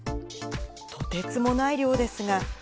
とてつもない量ですが。